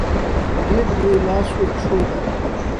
ډېره بې لاسو پښو ده.